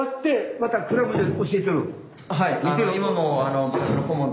はい。